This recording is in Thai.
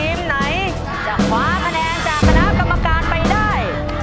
ทีมไหนจะคว้าคะแนนจากคณะกรรมการไปได้